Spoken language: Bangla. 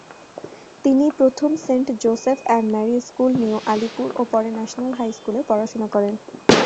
তিনি প্রথমে saint Joseph and Mary school, new Alipore ও পরে ন্যাশনাল হাই স্কুলে পড়াশোনা করেন।